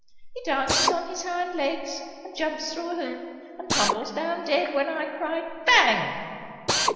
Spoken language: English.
He dances on his hind legs, and jumps through a hoop, and tumbles down dead when I cry Bang!